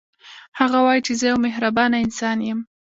هغه وايي چې زه یو مهربانه انسان یم